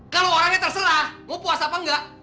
kalau orangnya terserah mau puasa apa enggak